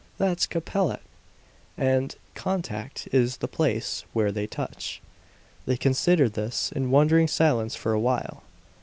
That's Capellette! And the contact is the place where they touch!" They considered this in wondering silence for a while.